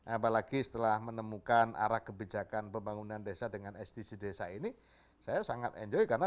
apalagi setelah menemukan arah kebijakan pembangunan desa dengan sdc desa ini saya sangat enjoy karena